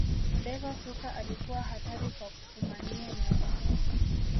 davor suker alikuwa hatari kwa kufumania nyavu